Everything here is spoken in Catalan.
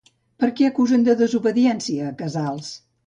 Per què acusen de desobediència a Casals?